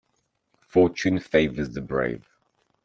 Fortune favours the brave.